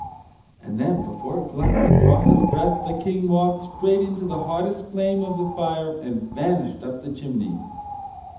And then, before Gluck could draw his breath, the King walked straight into the hottest flame of the fire, and vanished up the chimney!